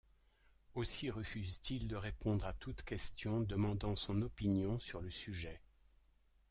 Aussi refuse-t-il de répondre à toute question demandant son opinion sur le sujet.